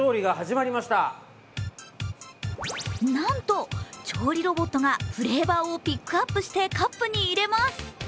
なんと調理ロボットがフレーバーをピックアップしてカップに入れます。